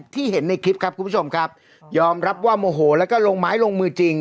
เห็นในคลิปครับคุณผู้ชมครับยอมรับว่าโมโหแล้วก็ลงไม้ลงมือจริง